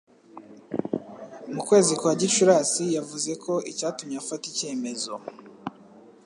mu kwezi kwa Gicurasi yavuze ko icyatumye afata icyemezo